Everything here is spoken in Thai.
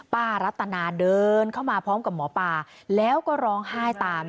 รัตนาเดินเข้ามาพร้อมกับหมอปลาแล้วก็ร้องไห้ตาม